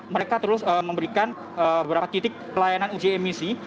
mereka terus memberikan beberapa titik pelayanan uji emisi